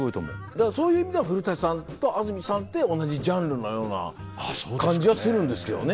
だからそういう意味では古さんと安住さんって同じジャンルのような感じはするんですけどね。